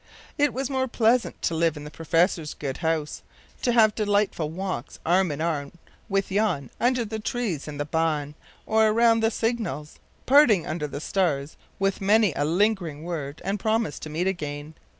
It was more pleasant to live in the professor’s good house, to have delightful walks arm in arm with Jan under the trees in the Baan or round the Singels, parting under the stars with many a lingering word and promise to meet again.